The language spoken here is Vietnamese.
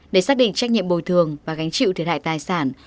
để xác định trách nhiệm bồi thường và gánh chịu thiệt hại tài sản